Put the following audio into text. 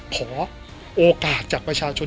ขอโอกาสจากประชาชน